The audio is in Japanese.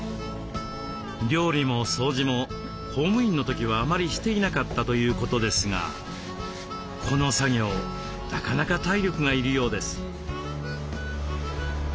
料理も掃除も公務員の時はあまりしていなかったということですがこの作業なかなか体力がいるようです。